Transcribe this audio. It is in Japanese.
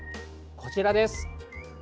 こちらです。